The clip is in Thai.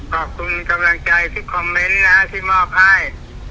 ขอบคุณกำลังใจทุกคอมเมนต์นะที่มอบให้